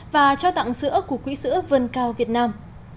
và trao tặng sữa của quỹ sữa vân cao việt nam